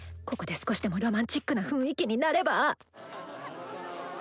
ここで少しでもロマンチックな雰囲気になれば！